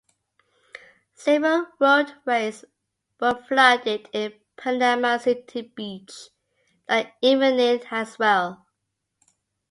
Several roadways were flooded in Panama City Beach that evening as well.